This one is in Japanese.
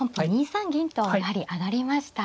２三銀とやはり上がりました。